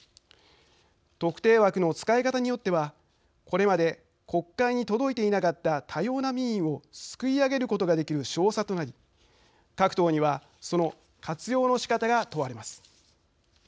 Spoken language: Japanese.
特定枠の使い方によってはこれまで国会に届いていなかった多様な民意をすくい上げることができる証左となり各党にはその活用のしかたが問われます。